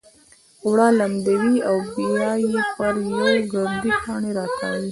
اوړه لمدوي او بيا يې پر يو ګردي کاڼي را تاووي.